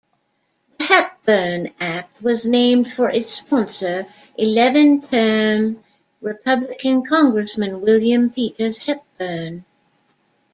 The Hepburn Act was named for its sponsor, eleven-term Republican congressman William Peters Hepburn.